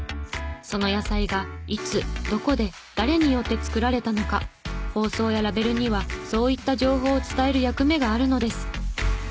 その野菜がいつどこで誰によって作られたのか包装やラベルにはそういった情報を伝える役目があるのです。